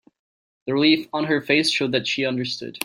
The relief on her face showed that she understood.